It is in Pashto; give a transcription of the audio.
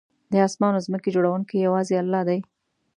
د آسمان او ځمکې جوړونکی یوازې الله دی